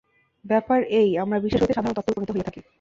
ব্যাপার এই, আমরা বিশেষ হইতে সাধারণ তত্ত্বে উপনীত হইয়া থাকি।